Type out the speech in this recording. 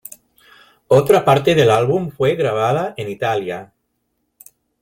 Otra parte del álbum fue grabada en Italia.